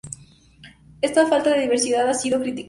Esta falta de diversidad ha sido criticada.